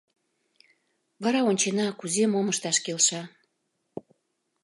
- Вара ончена, кузе, мом ышташ келша.